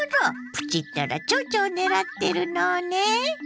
プチったらちょうちょを狙ってるのね。